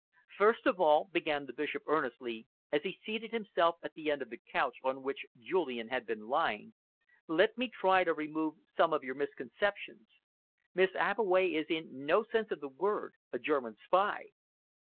"First of all," began the Bishop earnestly, as he seated himself at the end of the couch on which Julian had been lying, "let me try to remove some of your misconceptions. Miss Abbeway is in no sense of the word a German spy.